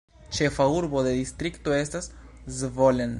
Ĉefa urbo de distrikto estas Zvolen.